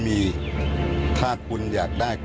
มีความรู้สึกว่าเสียใจ